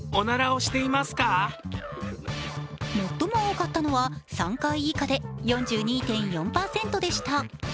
最も多かったのは３回以下で４２．４％でした。